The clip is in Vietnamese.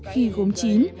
khi gốm chín